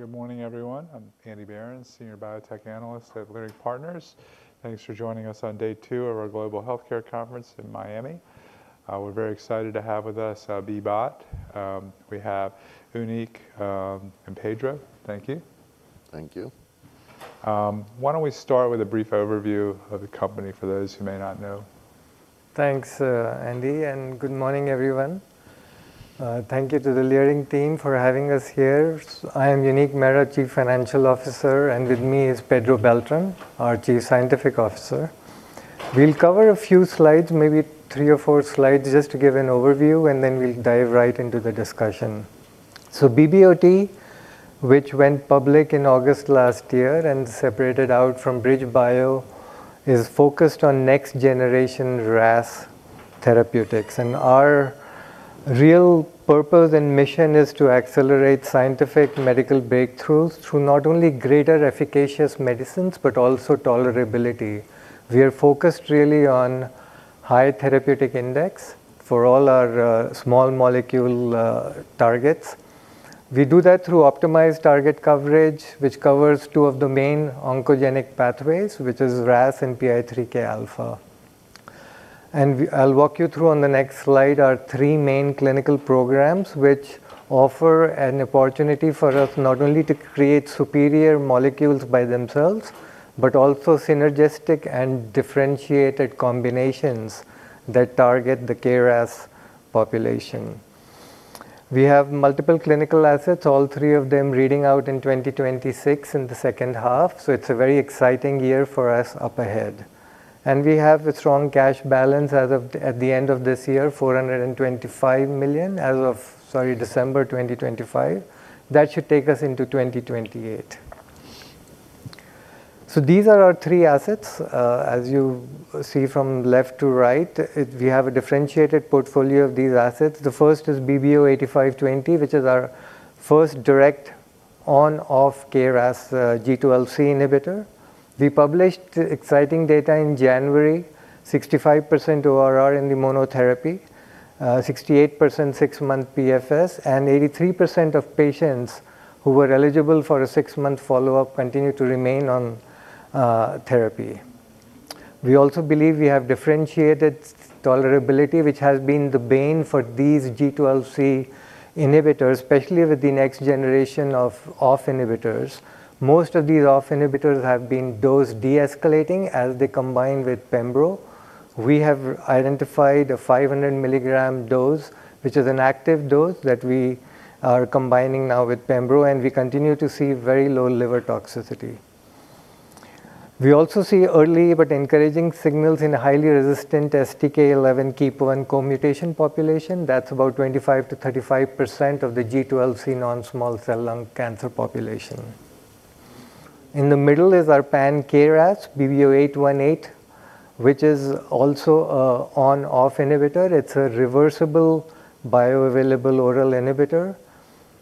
Good morning, everyone. I'm Andy Berens, Senior Biotech Analyst at Leerink Partners. Thanks for joining us on day two of our Leerink Partners Global Healthcare Conference in Miami. We're very excited to have with us BridgeBio Oncology Therapeutics. We have Uneek Mehra and Pedro Beltran. Thank you. Thank you. Why don't we start with a brief overview of the company for those who may not know? Thanks, Andy, and good morning, everyone. Thank you to the Leerink team for having us here. I am Uneek Mehra, Chief Financial Officer, and with me is Pedro Beltran, our Chief Scientific Officer. We'll cover a few slides, maybe three or four slides, just to give an overview, and then we'll dive right into the discussion. BBOT, which went public in August last year and separated out from BridgeBio, is focused on next-generation RAS therapeutics. Our real purpose and mission is to accelerate scientific medical breakthroughs through not only greater efficacious medicines, but also tolerability. We are focused really on high therapeutic index for all our small molecule targets. We do that through optimized target coverage, which covers two of the main oncogenic pathways, which is RAS and PI3K alpha. I'll walk you through on the next slide our three main clinical programs, which offer an opportunity for us not only to create superior molecules by themselves, but also synergistic and differentiated combinations that target the KRAS population. We have multiple clinical assets, all three of them reading out in 2026 in the second half, so it's a very exciting year for us up ahead. We have a strong cash balance at the end of this year, $425 million as of December 2025. That should take us into 2028. These are our three assets. As you see from left to right, we have a differentiated portfolio of these assets. The first is BBO-8520, which is our first direct on/off KRAS G12C inhibitor. We published exciting data in January, 65% ORR in the monotherapy, 68% six-month PFS, and 83% of patients who were eligible for a six-month follow-up continued to remain on therapy. We also believe we have differentiated tolerability, which has been the bane for these G12C inhibitors, especially with the next generation of on/off inhibitors. Most of these on/off inhibitors have been dose de-escalating as they combine with pembro. We have identified a 500 mg dose, which is an active dose that we are combining now with pembro, and we continue to see very low liver toxicity. We also see early but encouraging signals in highly resistant STK11 KEAP1 co-mutation population. That's about 25%-35% of the G12C non-small cell lung cancer population. In the middle is our pan-KRAS BBO-11818, which is also a on/off inhibitor. It's a reversible bioavailable oral inhibitor.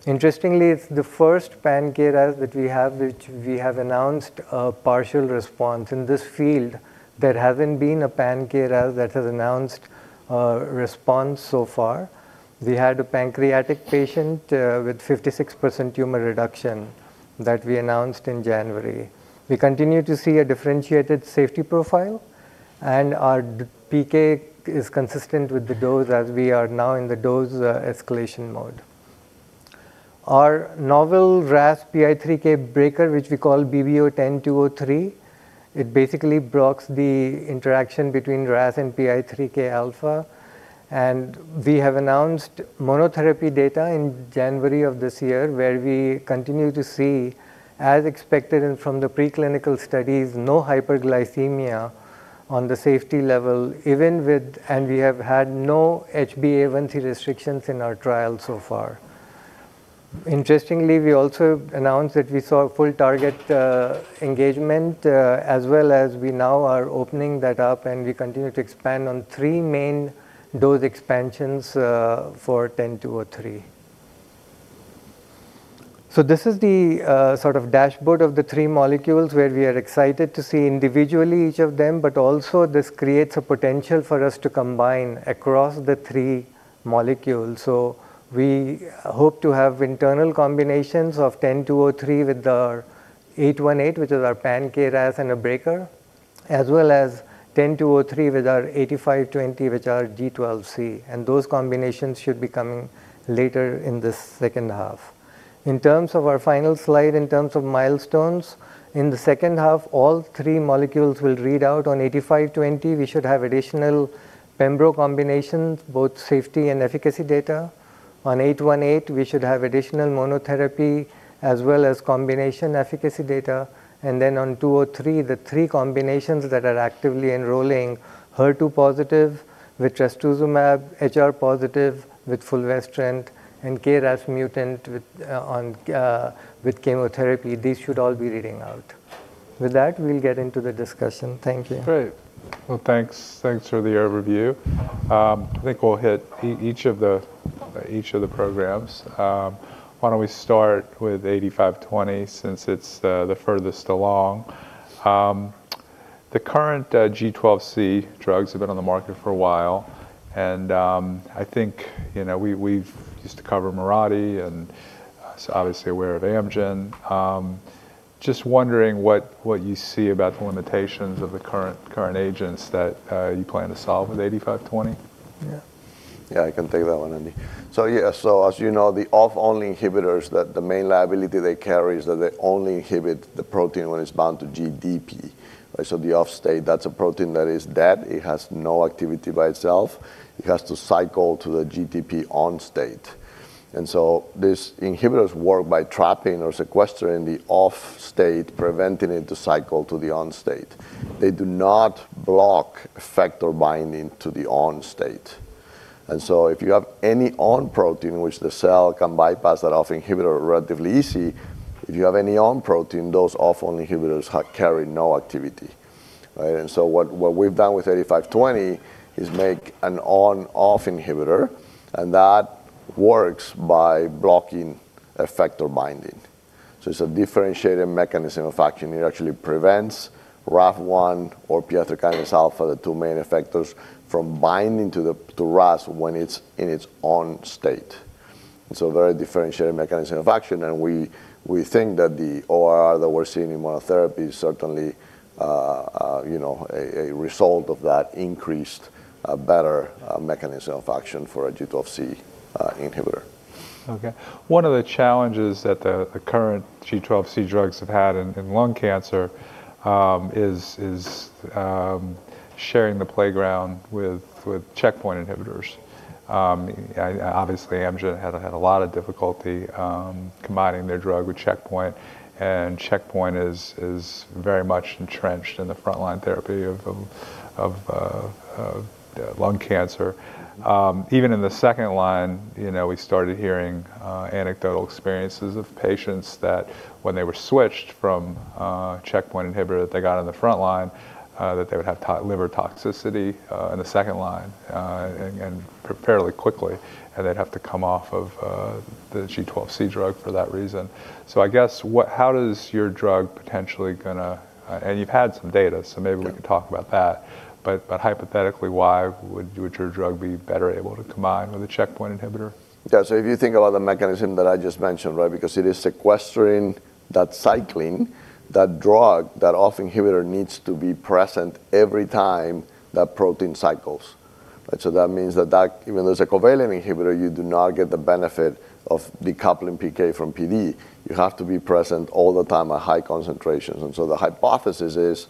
Interestingly, it's the first pan-KRAS that we have, which we have announced a partial response. In this field, there haven't been a pan-KRAS that has announced a response so far. We had a pancreatic patient with 56% tumor reduction that we announced in January. We continue to see a differentiated safety profile, and our PK is consistent with the dose as we are now in the dose escalation mode. Our novel RAS PI3K breaker, which we call BBO-10203, it basically blocks the interaction between RAS and PI3K alpha. We have announced monotherapy data in January of this year, where we continue to see, as expected and from the preclinical studies, no hyperglycemia on the safety level. We have had no HbA1c restrictions in our trial so far. Interestingly, we also announced that we saw full target engagement as well as we now are opening that up, and we continue to expand on three main dose expansions for BBO-10203. This is the sort of dashboard of the three molecules where we are excited to see individually each of them, but also this creates a potential for us to combine across the three molecules. We hope to have internal combinations of BBO-10203 with our BBO-11818, which is our pan-KRAS and a breaker, as well as BBO-10203 with our 8520, which are G12C. Those combinations should be coming later in the second half. In terms of our final slide, in terms of milestones, in the second half, all three molecules will read out on BBO-8520. We should have additional pembro combinations, both safety and efficacy data. On 818, we should have additional monotherapy as well as combination efficacy data. On 203, the three combinations that are actively enrolling HER2-positive with trastuzumab, HR-positive with fulvestrant, and KRAS mutant with chemotherapy. These should all be reading out. With that, we'll get into the discussion. Thank you. Great. Well, thanks. Thanks for the overview. I think we'll hit each of the programs. Why don't we start with 8520 since it's the furthest along? The current G12C drugs have been on the market for a while, and I think, you know, we've used to cover Mirati and so obviously aware of Amgen. Just wondering what you see about the limitations of the current agents that you plan to solve with BBO-8520? Yeah, I can take that one, Andy. Yeah, so as you know, the off only inhibitors that the main liability they carry is that they only inhibit the protein when it's bound to GDP, right? The off state, that's a protein that is dead. It has no activity by itself. It has to cycle to the GTP on state. These inhibitors work by trapping or sequestering the off state, preventing it to cycle to the on state. They do not block effector binding to the on state. If you have any on protein, which the cell can bypass that off inhibitor relatively easy, if you have any on protein, those off only inhibitors carry no activity, right? What we've done with BBO-8520 is make an on-off inhibitor, and that works by blocking effector binding. It's a differentiated mechanism of action. It actually prevents RAF1 or PI3K alpha, the two main effectors, from binding to RAS when it's in its on state. It's a very differentiated mechanism of action, and we think that the ORR we're seeing in monotherapy is certainly, you know, a result of that increased better mechanism of action for a G12C inhibitor. Okay. One of the challenges that the current G12C drugs have had in lung cancer is sharing the playground with checkpoint inhibitors. Obviously, Amgen had a lot of difficulty combining their drug with checkpoint, and checkpoint is very much entrenched in the frontline therapy of lung cancer. Even in the second line, you know, we started hearing anecdotal experiences of patients that when they were switched from checkpoint inhibitor that they got on the frontline, that they would have liver toxicity in the second line and fairly quickly, and they'd have to come off of the G12C drug for that reason. I guess how does your drug potentially gonna, and you've had some data, so maybe we can talk about that. Hypothetically, why would your drug be better able to combine with a checkpoint inhibitor? Yeah. If you think about the mechanism that I just mentioned, right? Because it is sequestering that cycling, that drug, that off inhibitor needs to be present every time that protein cycles. That means that even though it's a covalent inhibitor, you do not get the benefit of decoupling PK from PD. You have to be present all the time at high concentrations. The hypothesis is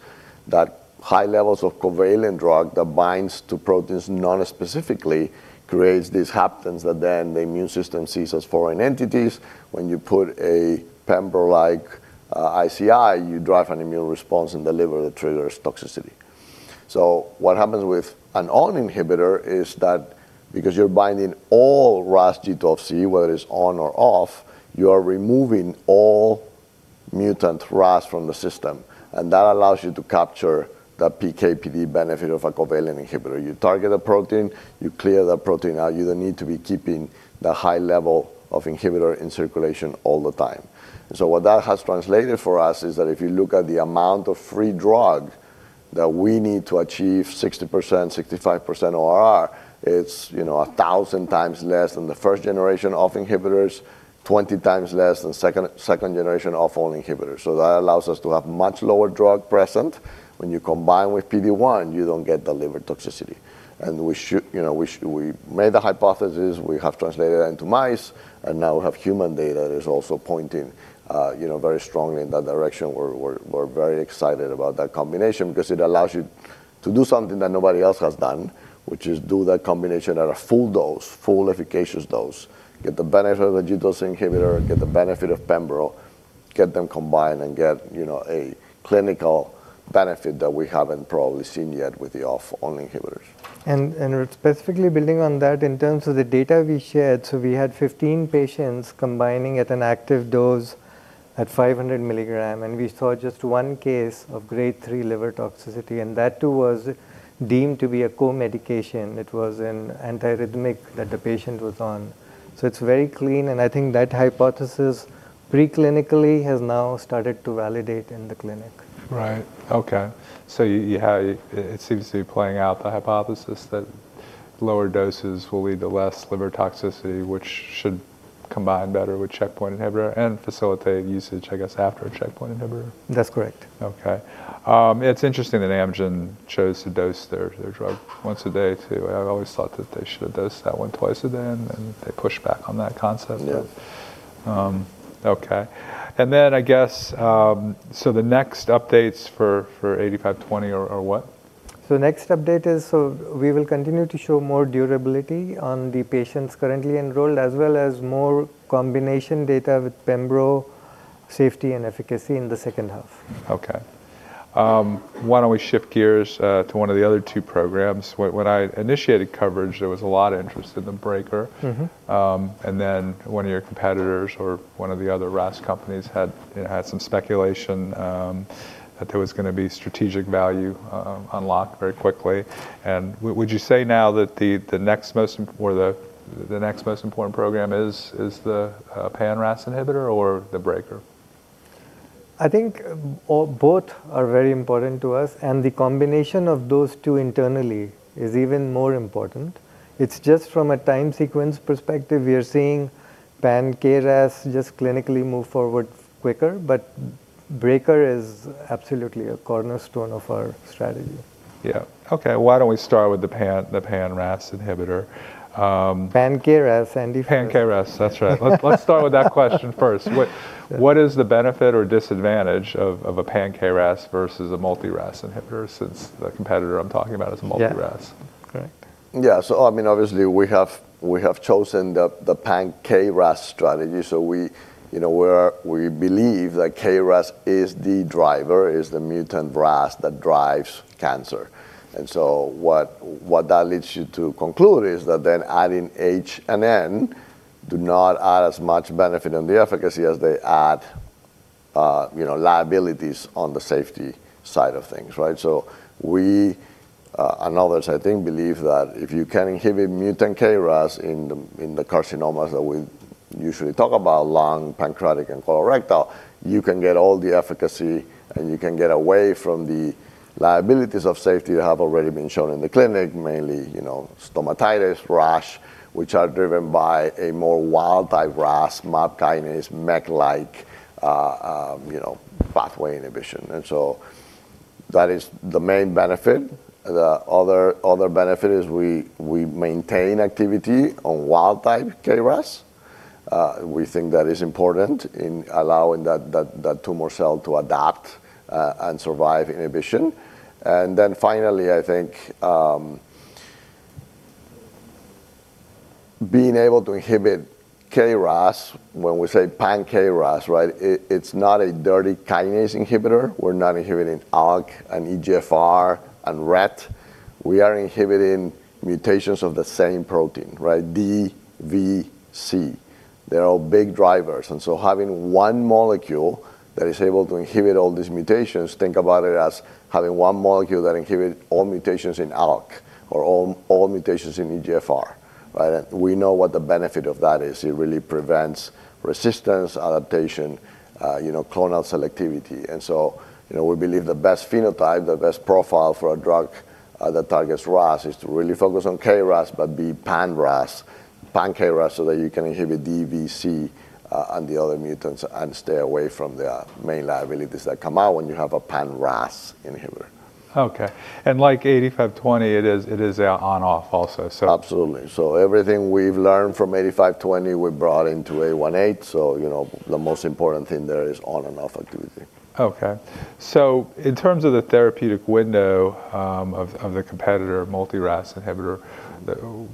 that high levels of covalent drug that binds to proteins non-specifically creates these hapten that then the immune system sees as foreign entities. When you put a pembrolizumab-like ICI, you drive an immune response in the liver that triggers toxicity. What happens with a covalent inhibitor is that because you're binding all RAS G12C, whether it's on or off, you are removing all mutant RAS from the system, and that allows you to capture that PK/PD benefit of a covalent inhibitor. You target a protein, you clear that protein out. You don't need to be keeping the high level of inhibitor in circulation all the time. What that has translated for us is that if you look at the amount of free drug that we need to achieve 60%, 65% ORR, it's, you know, 1,000 times less than the first generation of inhibitors, 20 times less than second generation of oral inhibitors. That allows us to have much lower drug present. When you combine with PD-1, you don't get the liver toxicity. You know, we made the hypothesis, we have translated that into mice, and now we have human data that is also pointing, you know, very strongly in that direction. We're very excited about that combination because it allows you to do something that nobody else has done, which is do that combination at a full dose, full efficacious dose, get the benefit of the G12C inhibitor, get the benefit of pembrolizumab, get them combined, and get, you know, a clinical benefit that we haven't probably seen yet with the off only inhibitors. Specifically building on that in terms of the data we shared, we had 15 patients combining at an active dose at 500 mg, and we saw just one case of Grade 3 liver toxicity, and that too was deemed to be a co-medication. It was an anti-arrhythmic that the patient was on. It's very clean, and I think that hypothesis pre-clinically has now started to validate in the clinic. Right. Okay. It seems to be playing out the hypothesis that lower doses will lead to less liver toxicity, which should combine better with checkpoint inhibitor and facilitate usage, I guess, after a checkpoint inhibitor. That's correct. Okay. It's interesting that Amgen chose to dose their drug once a day too. I've always thought that they should have dosed that one twice a day, and then they pushed back on that concept. Yeah. Okay. I guess the next updates for BBO-8520 are what? Next update is, we will continue to show more durability on the patients currently enrolled, as well as more combination data with pembrolizumab safety and efficacy in the second half. Okay. Why don't we shift gears to one of the other two programs. When I initiated coverage, there was a lot of interest in the breaker. Then one of your competitors or one of the other RAS companies had, you know, had some speculation that there was gonna be strategic value unlocked very quickly. Would you say now that the next most important program is the pan RAS inhibitor or the breaker? I think, or both are very important to us, and the combination of those two internally is even more important. It's just from a time sequence perspective, we are seeing pan-KRAS just clinically move forward quicker. Breaker is absolutely a cornerstone of our strategy. Yeah. Okay, why don't we start with the pan-RAS inhibitor. Pan-KRAS, Andy Berens. Pan-KRAS. That's right. Let's start with that question first. What is the benefit or disadvantage of a pan-KRAS versus a multi-RAS inhibitor since the competitor I'm talking about is multi-RAS? Yeah. Okay. I mean, obviously, we have chosen the pan-KRAS strategy. We, you know, believe that KRAS is the driver, the mutant RAS that drives cancer. What that leads you to conclude is that then adding H and N do not add as much benefit on the efficacy as they add, you know, liabilities on the safety side of things, right? We and others, I think, believe that if you can inhibit mutant KRAS in the carcinomas that we usually talk about, lung, pancreatic, and colorectal, you can get all the efficacy, and you can get away from the liabilities of safety that have already been shown in the clinic, mainly, you know, stomatitis, rash, which are driven by a more wild-type RAS, MAP kinase, MEK-like, you know, pathway inhibition. That is the main benefit. The other benefit is we maintain activity on wild-type KRAS. We think that is important in allowing that tumor cell to adapt and survive inhibition. Finally, I think, being able to inhibit KRAS when we say pan-KRAS, right? It's not a dirty kinase inhibitor. We're not inhibiting ALK and EGFR and RET. We are inhibiting mutations of the same protein, right? G12D, G12V, G12C. They're all big drivers. Having one molecule that is able to inhibit all these mutations, think about it as having one molecule that inhibit all mutations in ALK or all mutations in EGFR, right? We know what the benefit of that is. It really prevents resistance, adaptation, you know, clonal selectivity. You know, we believe the best phenotype, the best profile for a drug that targets RAS is to really focus on KRAS, but be pan-RAS, pan-KRAS, so that you can inhibit G12D, G12V, G12C, and the other mutants and stay away from the main liabilities that come out when you have a pan-RAS inhibitor. Like BBO-8520, it is an on/off also. Absolutely. Everything we've learned from BBO-8520, we brought into BBO-118. You know, the most important thing there is on and off activity. Okay. In terms of the therapeutic window of the competitor multi-RAS inhibitor,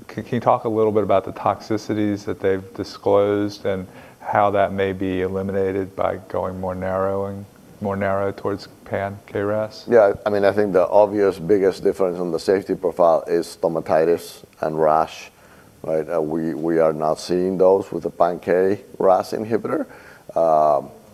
can you talk a little bit about the toxicities that they've disclosed and how that may be eliminated by going more narrow towards pan-KRAS? Yeah, I mean, I think the obvious biggest difference on the safety profile is stomatitis and rash, right? We are not seeing those with a pan-KRAS inhibitor.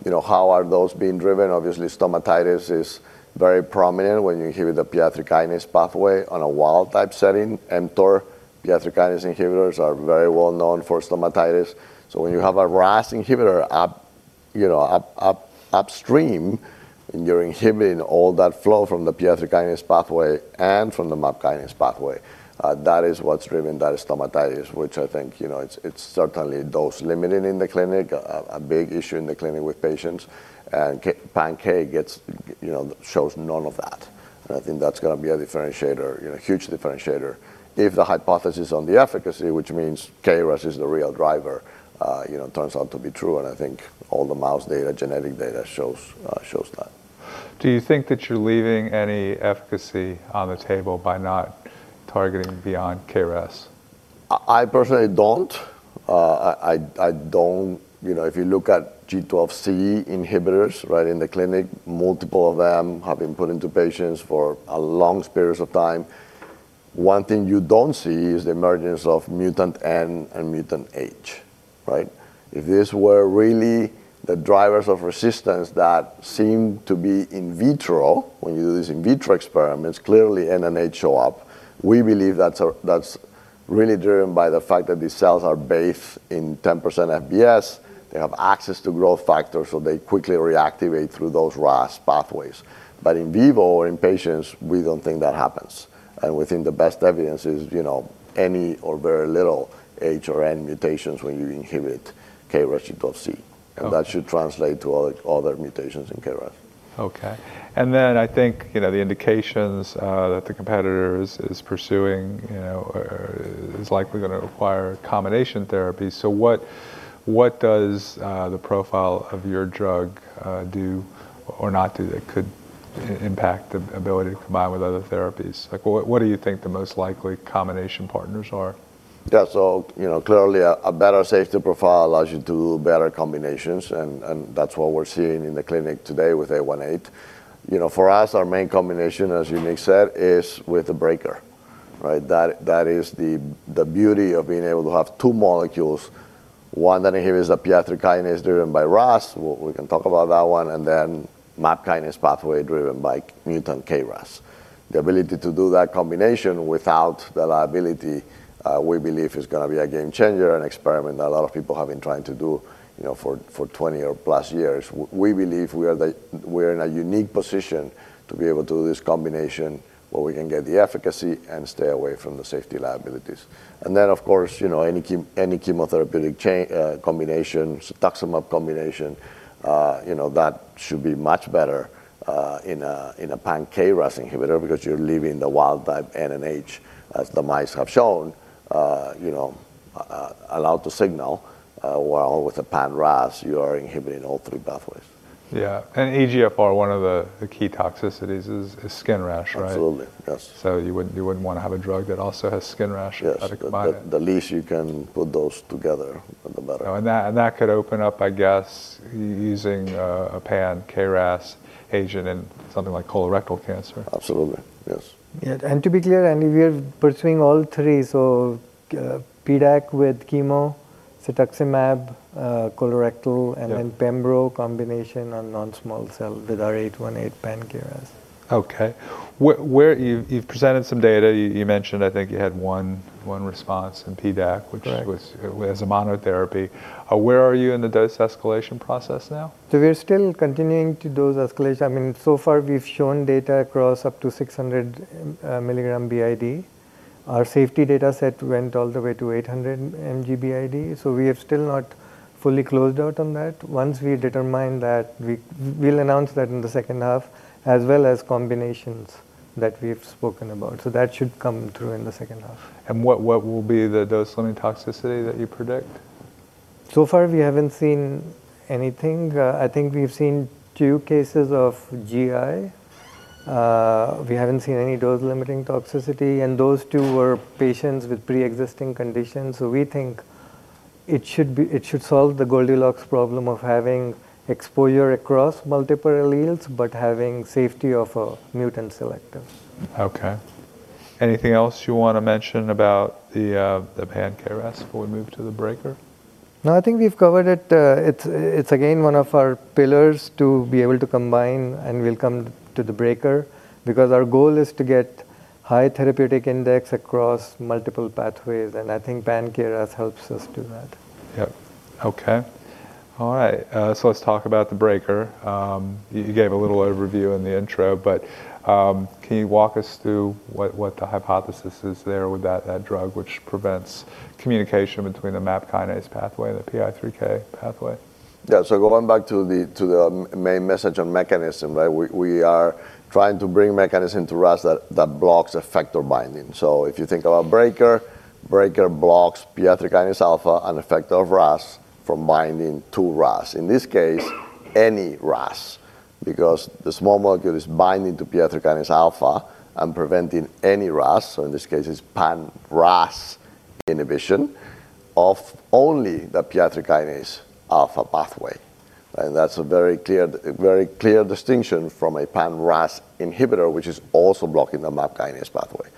You know, how are those being driven? Obviously, stomatitis is very prominent when you inhibit the PI3 kinase pathway on a wild-type setting. MTOR, PI3 kinase inhibitors are very well known for stomatitis. When you have a RAS inhibitor upstream, and you're inhibiting all that flow from the PI3 kinase pathway and from the MAP kinase pathway, that is what's driven that stomatitis, which I think, you know, it's certainly dose-limiting in the clinic, a big issue in the clinic with patients. Pan-KRAS, you know, shows none of that. I think that's gonna be a differentiator, you know, huge differentiator if the hypothesis on the efficacy, which means KRAS is the real driver, you know, turns out to be true, and I think all the mouse data, genetic data shows that. Do you think that you're leaving any efficacy on the table by not targeting beyond KRAS? I personally don't. You know, if you look at G12C inhibitors, right, in the clinic, multiple of them have been put into patients for a long periods of time. One thing you don't see is the emergence of mutant N and mutant H, right? If these were really the drivers of resistance that seem to be in vitro, when you do these in vitro experiments, clearly N and H show up. We believe that's really driven by the fact that these cells are bathed in 10% FBS. They have access to growth factors, so they quickly reactivate through those RAS pathways. In vivo or in patients, we don't think that happens. We think the best evidence is, you know, any or very little H or N mutations when you inhibit KRAS G12C. Okay. That should translate to all their mutations in KRAS. Okay. I think, you know, the indications that the competitor is pursuing, you know, is likely gonna require combination therapy. What does the profile of your drug do or not do that could impact the ability to combine with other therapies? Like, what do you think the most likely combination partners are? Yeah. You know, clearly a better safety profile allows you to do better combinations, and that's what we're seeing in the clinic today with 118. You know, for us, our main combination, as Uneek said, is with the breaker. Right? That is the beauty of being able to have two molecules, one that inhibits a PI3K driven by RAS. We can talk about that one, and then MAP kinase pathway driven by KRAS-mutant KRAS. The ability to do that combination without the liability, we believe is gonna be a game changer, an experiment a lot of people have been trying to do, you know, for 20+ years. We believe we're in a unique position to be able to do this combination where we can get the efficacy and stay away from the safety liabilities. Of course, you know, any chemotherapeutic combination, cetuximab combination, you know, that should be much better in a pan-KRAS inhibitor because you're leaving the wild-type NRAS, as the mice have shown, allowed to signal, while with a pan-RAS, you are inhibiting all three pathways. Yeah. EGFR, one of the key toxicities is skin rash, right? Absolutely. Yes. You wouldn't wanna have a drug that also has skin rash as a combo. Yes. The least you can put those together for the better. Oh, that could open up, I guess, using a pan-KRAS agent in something like colorectal cancer. Absolutely. Yes. Yeah. To be clear, I mean, we are pursuing all three. PDAC with chemo, cetuximab, colorectal- Yeah... pembro combination in non-small cell with our BBO-11818 pan-KRAS. Okay. Where you've presented some data. You mentioned I think you had one response in PDAC- Right ...which was as a monotherapy. Where are you in the dose escalation process now? We're still continuing to dose escalate. I mean, so far we've shown data across up to 600 mg BID. Our safety data set went all the way to 800 mg BID. We have still not fully closed out on that. Once we determine that, we'll announce that in the second half as well as combinations that we've spoken about. That should come through in the second half. What will be the dose limiting toxicity that you predict? So far we haven't seen anything. I think we've seen two cases of GI. We haven't seen any dose-limiting toxicity, and those two were patients with pre-existing conditions. We think it should solve the Goldilocks problem of having exposure across multiple alleles, but having safety of a mutant selector. Okay. Anything else you wanna mention about the pan-KRAS before we move to the breaker? No, I think we've covered it. It's again, one of our pillars to be able to combine and we'll come to the breaker because our goal is to get high therapeutic index across multiple pathways, and I think pan-KRAS helps us do that. Yep. Okay. All right, let's talk about the breaker. You gave a little overview in the intro, but can you walk us through what the hypothesis is there with that drug which prevents communication between the MAP kinase pathway and the PI3K pathway? Yeah. Going back to the main message on mechanism, right? We are trying to bring mechanism to RAS that blocks effector binding. If you think about breaker blocks PI3K alpha and effector of RAS from binding to RAS, in this case, any RAS, because the small molecule is binding to PI3K alpha and preventing any RAS, so in this case it's pan-RAS inhibition of only the PI3K alpha pathway. That's a very clear distinction from a pan-RAS inhibitor, which is also blocking the MAP kinase pathway.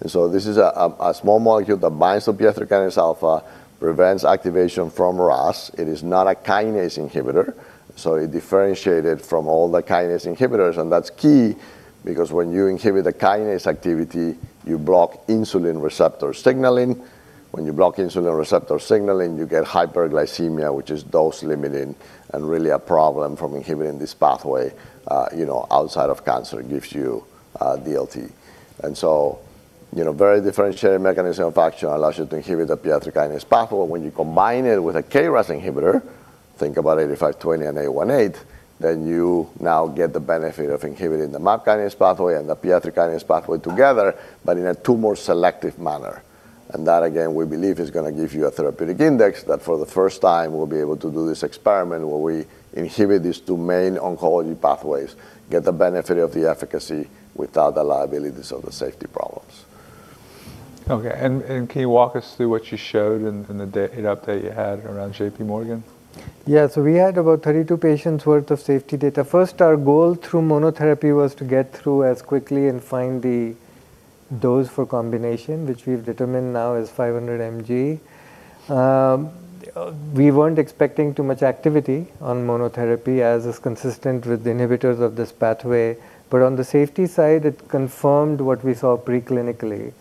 This is a small molecule that binds to PI3K alpha, prevents activation from RAS. It is not a kinase inhibitor, so it differentiate it from all the kinase inhibitors. That's key because when you inhibit the kinase activity, you block insulin receptor signaling. When you block insulin receptor signaling, you get hyperglycemia, which is dose limiting and really a problem from inhibiting this pathway, you know, outside of cancer, it gives you DLT. Very differentiated mechanism of action allows you to inhibit the PI3-kinase pathway. When you combine it with a KRAS inhibitor, think about BBO-8520 and BBO-11818, then you now get the benefit of inhibiting the MAP kinase pathway and the PI3-kinase pathway together, but in a tumor selective manner. That again, we believe is gonna give you a therapeutic index that for the first time we'll be able to do this experiment where we inhibit these two main oncology pathways, get the benefit of the efficacy without the liabilities or the safety problems. Okay. Can you walk us through what you showed in the data update you had around J.P. Morgan? Yeah. We had about 32 patients worth of safety data. First, our goal through monotherapy was to get through as quickly and find the dose for combination, which we've determined now is 500 mg. We weren't expecting too much activity on monotherapy as is consistent with the inhibitors of this pathway. On the safety side, it confirmed what we saw pre-clinically,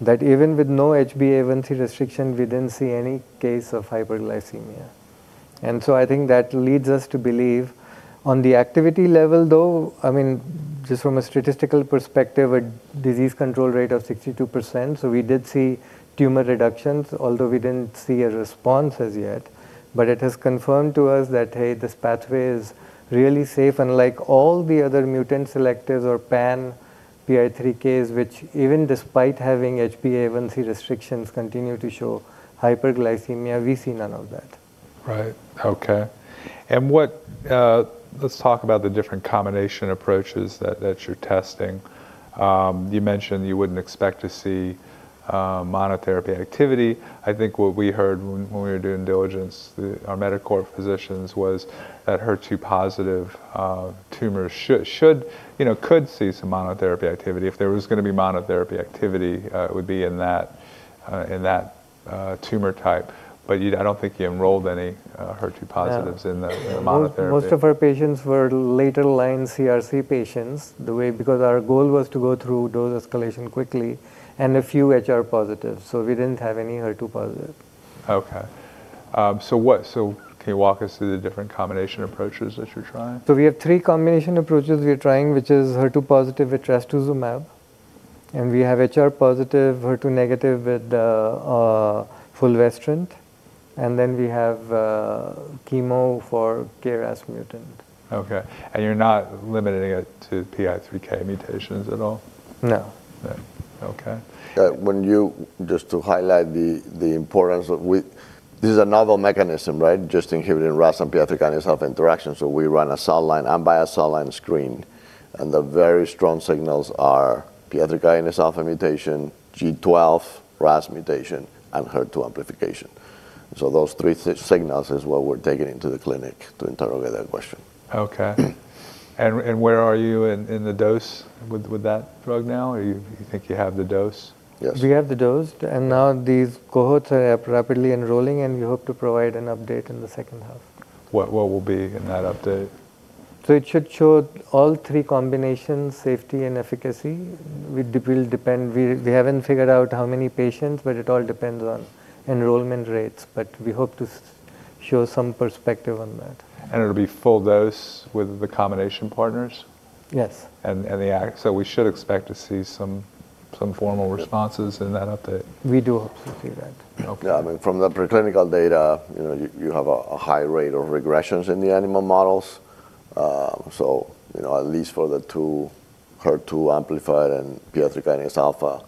that even with no HbA1c restriction, we didn't see any case of hyperglycemia. I think that leads us to believe on the activity level though, I mean, just from a statistical perspective, a disease control rate of 62%. We did see tumor reductions, although we didn't see a response as yet, but it has confirmed to us that, hey, this pathway is really safe and like all the other mutant selectives or pan PI3Ks which even despite having HbA1c restrictions continue to show hyperglycemia, we see none of that. Right. Okay. What, let's talk about the different combination approaches that you're testing. You mentioned you wouldn't expect to see monotherapy activity. I think what we heard when we were doing diligence with our Medical physicians was that HER2-positive tumors should could see some monotherapy activity. If there was gonna be monotherapy activity, it would be in that tumor type. You, I don't think you enrolled any HER2-positives- No ...in the monotherapy. Most of our patients were later line CRC patients. Because our goal was to go through dose escalation quickly and a few HR-positive, so we didn't have any HER2-positive. Can you walk us through the different combination approaches that you're trying? We have three combination approaches we are trying, which is HER2-positive with trastuzumab, and we have HR-positive, HER2-negative with fulvestrant, and then we have chemo for KRAS-mutant. Okay. You're not limiting it to PI3K mutations at all? No. No. Okay. This is a novel mechanism, right? Just inhibiting RAS and PI3K alpha interaction. We run a cell line, unbiased cell line screen, and the very strong signals are PI3K alpha mutation, G12 RAS mutation, and HER2 amplification. Those three signals is what we're taking into the clinic to interrogate that question. Okay. Where are you in the dose with that drug now? Or you think you have the dose? Yes. We have the dose, and now these cohorts are rapidly enrolling, and we hope to provide an update in the second half. What will be in that update? It should show all three combinations, safety and efficacy. It will depend. We haven't figured out how many patients, but it all depends on enrollment rates, but we hope to show some perspective on that. It'll be full dose with the combination partners? Yes. We should expect to see some formal responses in that update. We do hope to see that. Okay. I mean, from the preclinical data, you know, you have a high rate of regressions in the animal models. You know, at least for the two HER2 amplified and PI3K alpha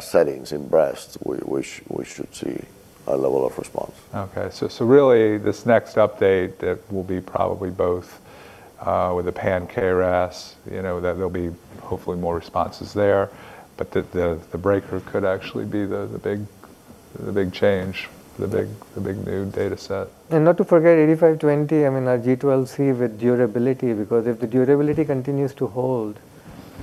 settings in breast, we should see a level of response. Okay. Really this next update that will be probably both with the pan-KRAS, you know, that there'll be hopefully more responses there, but the breaker could actually be the big change, the big new data set. Not to forget BBO-8520, I mean, our G12C with durability because if the durability continues to hold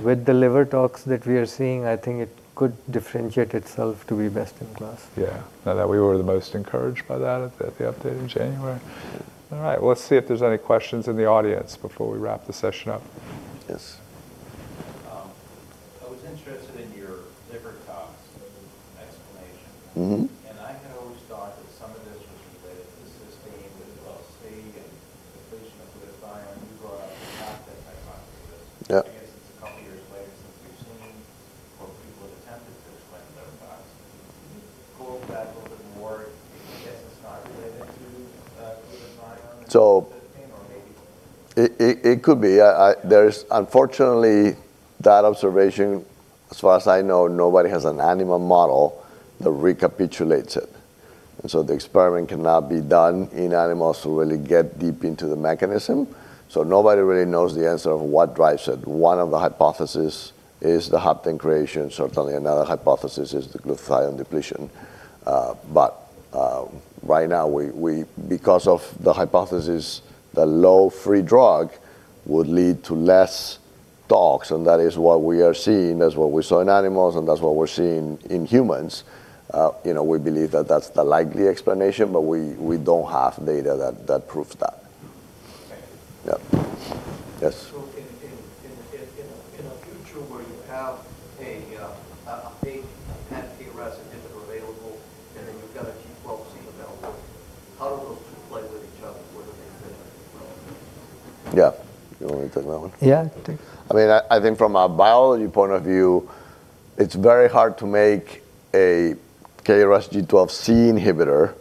with the liver tox that we are seeing, I think it could differentiate itself to be best in class. Yeah. No, that we were the most encouraged by that at the update in January. All right. Well, let's see if there's any questions in the audience before we wrap the session up. Yes. I was interested in your liver tox explanation. I had always thought that some of this was related to sustained with ALT and depletion of glutathione. You brought up the Goldilocks hypothesis. Yeah. I guess it's a couple years later since we've seen what people have attempted to explain liver tox. Can you go over that a little bit more? I guess it's not related to glutathione. So- Maybe it is the same. ...it could be. Unfortunately, there's that observation as far as I know, nobody has an animal model that recapitulates it, and so the experiment cannot be done in animals to really get deep into the mechanism. Nobody really knows the answer of what drives it. One of the hypothesis is the hapten creation. Certainly another hypothesis is the glutathione depletion. Right now, because of the hypothesis, the low free drug would lead to less tox, and that is what we are seeing. That's what we saw in animals, and that's what we're seeing in humans. You know, we believe that that's the likely explanation, but we don't have data that proves that. Okay. Yeah. Yes. In a future where you have a big pan-KRAS inhibitor available and then you've got a G12C available, how do those two play with each other? Where do they fit in development? Yeah. You want me to take that one? Yeah. Take it. I mean, I think from a biology point of view, it's very hard to make a KRAS G12C inhibitor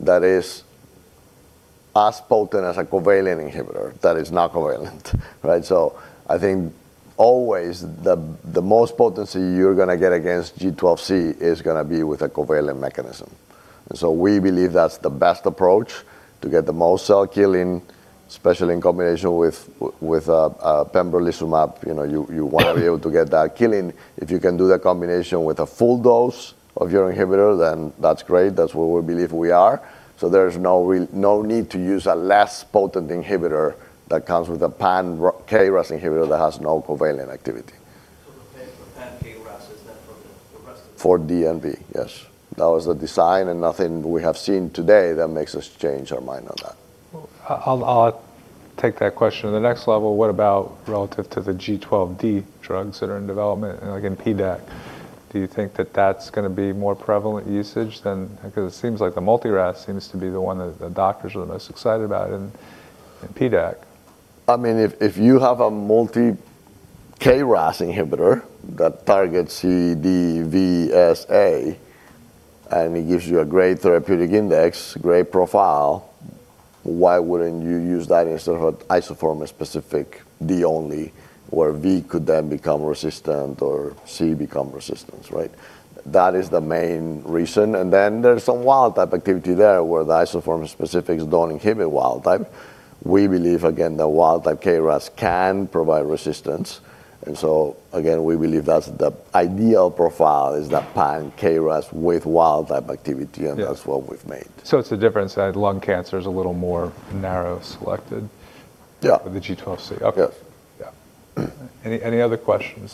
that is as potent as a covalent inhibitor that is not covalent, right? I think always the most potency you're gonna get against G12C is gonna be with a covalent mechanism. We believe that's the best approach to get the most cell killing, especially in combination with pembrolizumab. You know, you want to be able to get that killing. If you can do the combination with a full dose of your inhibitor, then that's great. That's where we believe we are. There's no need to use a less potent inhibitor that comes with a pan-KRAS inhibitor that has no covalent activity. The pan-KRAS is then for the rest of them? For DV, yes. That was the design, and nothing we have seen today that makes us change our mind on that. Well, I'll take that question to the next level. What about relative to the G12D drugs that are in development, like in PDAC? Do you think that that's gonna be more prevalent usage than. Because it seems like the multi-RAS seems to be the one that the doctors are the most excited about in PDAC. I mean, if you have a multi KRAS inhibitor that targets G12C, G12D, G12V, G12S, G12A, and it gives you a great therapeutic index, great profile, why wouldn't you use that instead of an isoform-specific G12D-only, where G12V could then become resistant or G12C become resistant, right? That is the main reason. Then there's some wild type activity there where the isoform specifics don't inhibit wild type. We believe again that wild type KRAS can provide resistance. Again, we believe that's the ideal profile is that pan-KRAS with wild type activity. Yeah That's what we've made. It's the difference that lung cancer is a little more narrowly selected- Yeah ...with the G12C. Okay. Yes. Yeah. Any other questions?